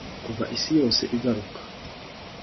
Kuva isi yose igaruka